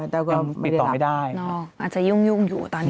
แต้วก็ไม่ได้รับคุณแม่อ๋ออาจจะยุ่งอยู่ตอนนี้